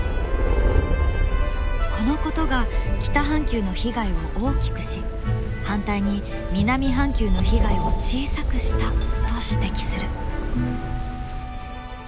このことが北半球の被害を大きくし反対に南半球の被害を小さくしたと指摘する。